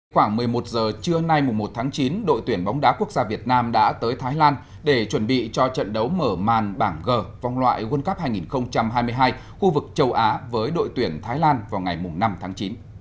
khoảng một mươi một giờ trưa nay một tháng chín đội tuyển bóng đá quốc gia việt nam đã tới thái lan để chuẩn bị cho trận đấu mở màn bảng g vòng loại world cup hai nghìn hai mươi hai khu vực châu á với đội tuyển thái lan vào ngày năm tháng chín